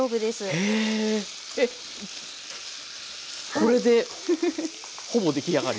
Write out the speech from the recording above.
これでほぼ出来上がり？